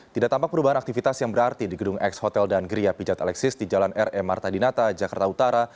tidak tampak perubahan aktivitas yang berarti di gedung ex hotel dan geria pijat alexis di jalan r e marta dinata jakarta utara